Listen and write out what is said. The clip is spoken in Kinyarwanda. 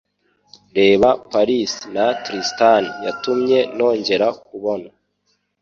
Reba Paris na Tristan… Yatumye nongera kubona